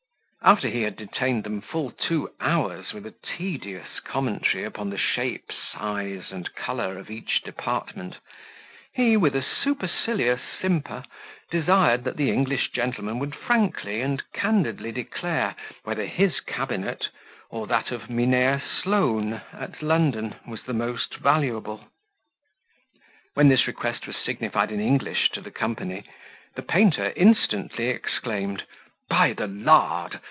After he had detained them full two hours with a tedious commentary upon the shape, size, and colour of each department, he, with a supercilious simper, desired that the English gentlemen would frankly and candidly declare, whether his cabinet, or that of Mynheer Sloane, at London, was the most valuable. When this request was signified in English to the company, the painter instantly exclaimed, "By the Lard!